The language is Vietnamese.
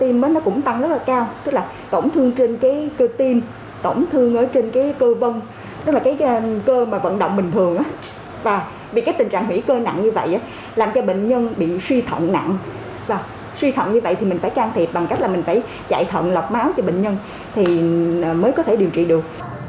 mình phải can thiệp bằng cách là mình phải chạy thận lọc máu cho bệnh nhân thì mới có thể điều trị được